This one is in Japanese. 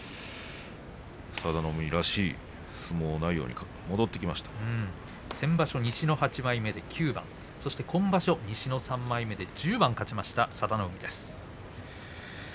佐田の海らしい相撲内容に先場所は８枚目で９番今場所は３枚目で１０番勝ちました佐田の海です。